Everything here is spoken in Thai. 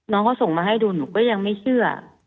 น้องเขาส่งมาให้ดูหนูก็ยังไม่เชื่อ